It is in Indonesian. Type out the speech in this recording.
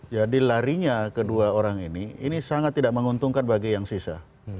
jadi larinya kedua orang ini ini sangat tidak menguntungkan bagi yang sisa